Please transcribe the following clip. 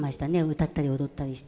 歌ったり踊ったりして。